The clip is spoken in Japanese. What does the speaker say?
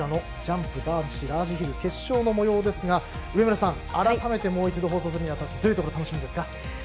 ジャンプ男子ラージヒル決勝のもようですが上村さん、改めてもう一度放送するにあたりどういうところが楽しみですか？